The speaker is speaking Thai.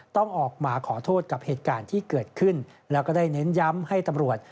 ต้องออกมาขอโทษกับเหตุการณ์ที่เกิดขึ้นแล้วก็ได้เน้นย้ำให้ตำรวจ